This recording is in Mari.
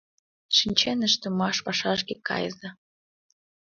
Шинчен ыштымаш пашашке кайыза!